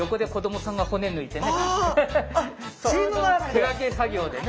手分け作業でね。